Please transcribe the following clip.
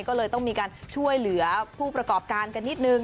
ก็เลยต้องมีการช่วยเหลือผู้ประกอบการกันนิดนึง